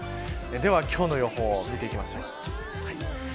今日の予報を見ていきましょう。